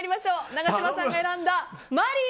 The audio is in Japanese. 永島さんが選んだマリー